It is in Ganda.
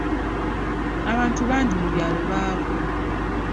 Abantu bangi mu byalo baavu.